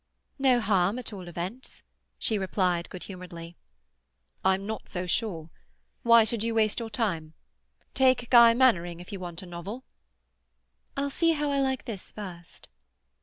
"No harm, at all events," she replied good humouredly. "I'm not so sure. Why should you waste your time? Take "Guy Mannering," if you want a novel." "I'll see how I like this first."